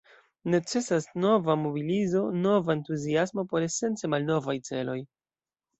Necesas nova mobilizo, nova entuziasmo por esence malnovaj celoj.